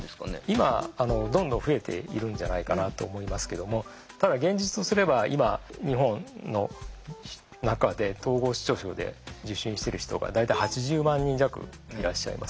今どんどん増えているんじゃないかなと思いますけどもただ現実とすれば今日本の中で統合失調症で受診してる人が大体８０万人弱いらっしゃいます。